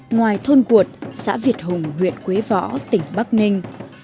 ngoài thôn cuột xã việt hùng huyện quế võ tỉnh bắc ninh